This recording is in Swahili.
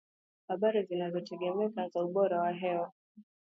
habari zinazotegemeka za ubora wa hewa